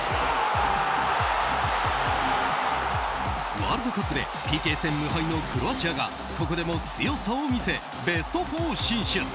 ワールドカップでＰＫ戦無敗のクロアチアがここでも強さを見せベスト４進出！